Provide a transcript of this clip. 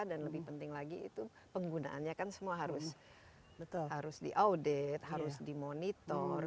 dan lebih penting lagi itu penggunaannya kan semua harus di audit harus di monitor